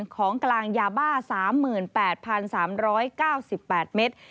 ของกลางยาบ้า๓๘๓๙๘เมตร